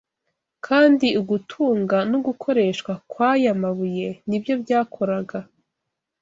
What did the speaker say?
kandi ugutunga n’ugukoreshwa kw’aya mabuye nibyo byakoraga